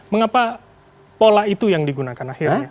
mengapa pola itu yang digunakan akhirnya